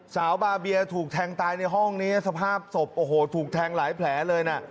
สาวบาเบียถูกแทงตายในห้องนี้สภาพศพโอ้โหถูกแทงหลายแผลเลยนะ